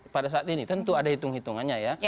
pada saat ini tentu ada hitung hitungannya ya